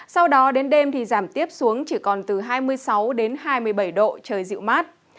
sau đó đến đêm thì giảm tiếp xuống chỉ còn từ hai mươi sáu đến hai mươi bảy độ trời dịu mát